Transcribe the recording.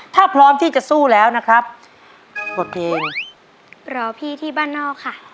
ถ้าพร้อมที่จะสู้แล้วนะครับบทเพลงรอพี่ที่บ้านนอกค่ะ